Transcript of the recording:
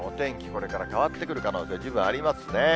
これから変わってくる可能性、十分ありますね。